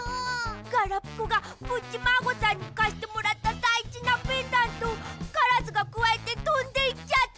ガラピコがプッチマーゴさんにかしてもらっただいじなペンダントをカラスがくわえてとんでいっちゃった！